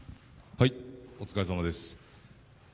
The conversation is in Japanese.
お疲れさまです。